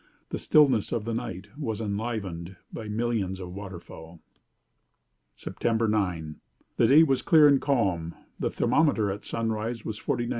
The stillness of the night was enlivened by millions of water fowl. "'Sept. 9. The day was clear and calm; the thermometer at sunrise at 49°.